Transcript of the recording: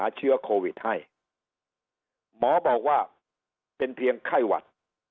เชื้อโควิดให้หมอบอกว่าเป็นเพียงไข้หวัด